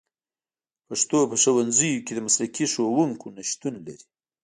پښتو په ښوونځیو کې د مسلکي ښوونکو نشتون لري